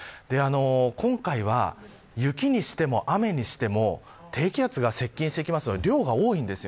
今回は、雪にしても、雨にしても低気圧が接近してくるので量が多いんです。